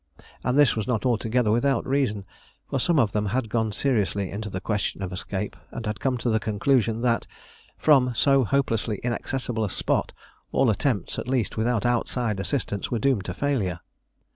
And this was not altogether without reason, for some of them had gone seriously into the question of escape, and had come to the conclusion that, from so hopelessly inaccessible a spot, all attempts, at least without outside assistance, were doomed to failure.